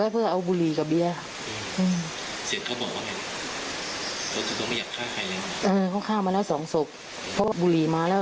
เพื่อเอาบุหรี่กับเบียร์